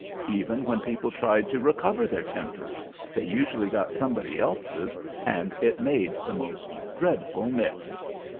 Even when people tried to recover their tempers they usually got somebody else's, and it made the most dreadful mix.